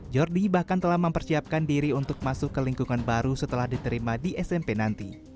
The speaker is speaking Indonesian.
jordi bahkan telah mempersiapkan diri untuk masuk ke lingkungan baru setelah diterima di smp nanti